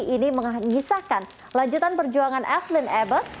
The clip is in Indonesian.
ini menghisahkan lanjutan perjuangan evelyn abbott